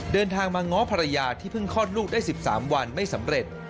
เดินทางมาง้อภรรยาที่เพิ่งคลอดลูกได้๑๓วันไม่สำเร็จ